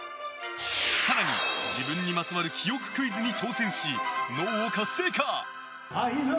更に、自分にまつわる記憶クイズに挑戦し脳を活性化。